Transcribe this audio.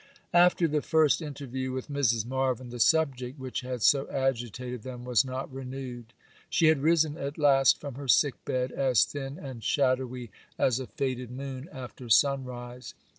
After the first interview with Mrs. Marvyn, the subject which had so agitated them was not renewed. She had risen at last from her sick bed, as thin and shadowy as a faded moon after sunrise.